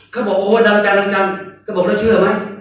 เขาบอกโอ้ยดังจังดังจังก็บอกแล้วเชื่อไหม